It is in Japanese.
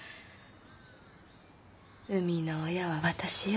生みの親は私よ。